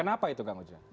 kenapa itu kang ujang